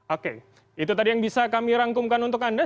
oke itu tadi yang bisa kami rangkumkan untuk anda